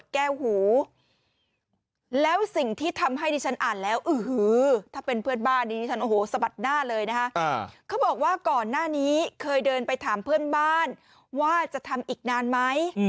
เขาบอกว่าก่อนหน้านี้เคยเดินไปถามเพื่อนบ้านว่าจะทำอีกนานไหม